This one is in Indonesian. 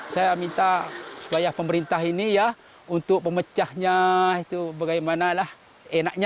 saya minta sebayar pemerintah ini untuk memecahnya bagaimana enaknya